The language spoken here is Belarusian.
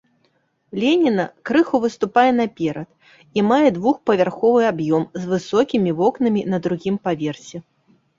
Леніна, крыху выступае наперад і мае двухпавярховы аб'ём з высокімі вокнамі на другім паверсе.